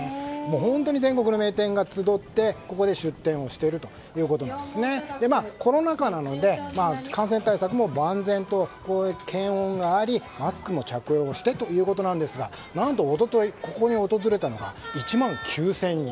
本当に全国の名店が集ってここで出店しているということでコロナ禍なので感染対策も万全で検温があり、マスクも着用してということですがなんと、一昨日ここに訪れたのは１万９０００人。